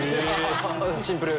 シンプル！